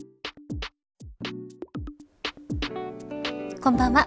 こんばんは。